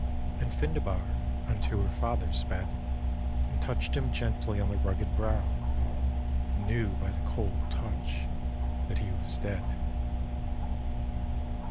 ..." And Findebar unto her father sped And touched him gently on the rugged brow. And knew by the cold touch that he was dead.